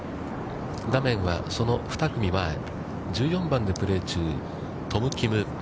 画面は、その２組前、１４番でプレー中、トム・キム。